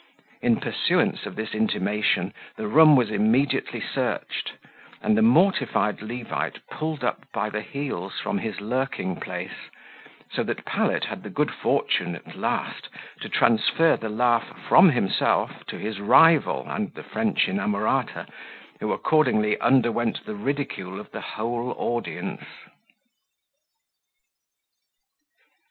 In pursuance of this intimation, the room was immediately searched, and the mortified Levite pulled up by the heels from his lurking place; so that Pallet had the good fortune, at last, to transfer the laugh from himself to his rival and the French inamorata, who accordingly underwent the ridicule of the whole audience.